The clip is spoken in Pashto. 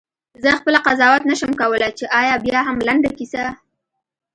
زه خپله قضاوت نه شم کولای چې آیا بیاهم لنډه کیسه؟ …